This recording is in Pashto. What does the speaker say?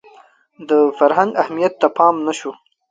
د فرهنګ اهمیت ته پام نه شو